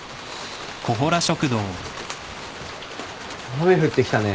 雨降ってきたね。